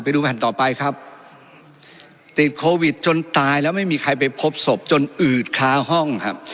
ดูแผ่นต่อไปครับติดโควิดจนตายแล้วไม่มีใครไปพบศพจนอืดค้าห้องครับ